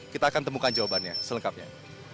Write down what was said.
kita akan temukan jawabannya selengkapnya